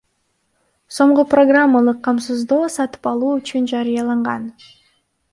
сомго программалык камсыздоо сатып алуу үчүн жарыяланган.